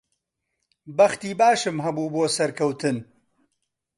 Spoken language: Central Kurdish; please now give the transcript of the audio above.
بەختی باشم هەبوو بۆ سەرکەوتن.